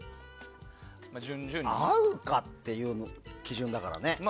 合うかっていう基準だからね。